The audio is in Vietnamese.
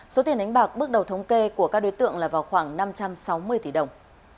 số tiền đánh bạc bước đầu thống kê của các đối tượng là vào khoảng năm trăm sáu mươi tỷ đồng